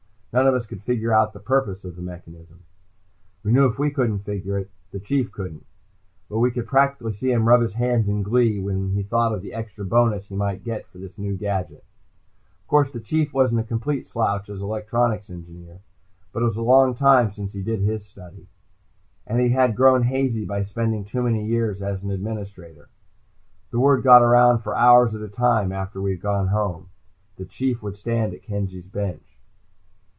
None of us could figure out the purpose of the mechanism. We knew if we couldn't figure it, the Chief couldn't. But we could practically see him rub his hands in glee when he thought of the extra bonus he might get for this new gadget. Of course the Chief wasn't a complete slouch as an electronics engineer. But it was a long time since he did his study, and he had grown hazy by spending too many years as an administrator. The word got around that for hours at a time, after we had gone home, the Chief would stand at Kenzie's bench.